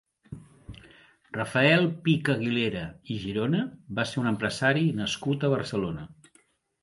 Rafael Pich-Aguilera i Girona va ser un empresari nascut a Barcelona.